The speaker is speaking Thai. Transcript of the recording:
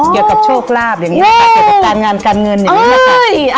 อ๋อเกี่ยวกับโชคลาภอย่างเงี้ยนะคะเกี่ยวกับการงานการเงินอย่างเงี้ยนะคะ